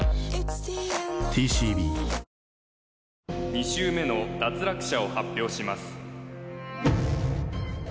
２周目の脱落者を発表します